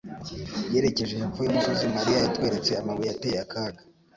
Yerekeje hepfo yumusozi, Mariya yatweretse amabuye ateye akaga